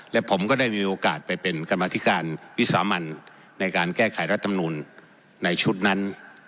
และผมก็ได้มีโอกาสไปเป็นกรรมธิการวิสามันในการแก้ไขรัฐมนูลในชุดนั้น